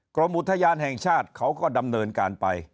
กรมอุทยานแห่งชาติเขาก็ดำเนินการไป